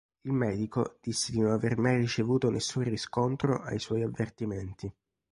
Il medico disse di non aver mai ricevuto nessun riscontro ai suoi avvertimenti.